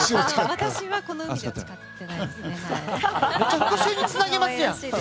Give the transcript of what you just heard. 私はこの海では誓ってないですね。